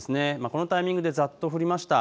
このタイミングでざっと降りました。